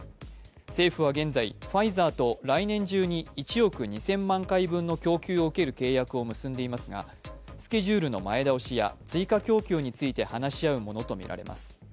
政府は現在、ファイザーと来年中に１億２０００万回分の供給を受ける契約を結んでいますがスケジュールの前倒しや追加供給について話し合うものとみられます。